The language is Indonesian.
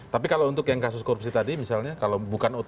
tapi kalau untuk yang kasus korupsi tadi misalnya kalau bukan ott